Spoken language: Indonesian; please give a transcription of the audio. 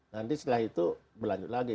nanti setelah itu berlanjut lagi